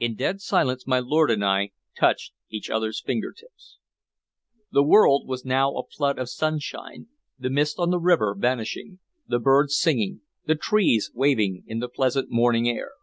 In dead silence my lord and I touched each other's finger tips. The world was now a flood of sunshine, the mist on the river vanishing, the birds singing, the trees waving in the pleasant morning air.